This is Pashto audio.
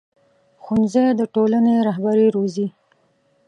ښوونځی د ټولنې رهبري روزي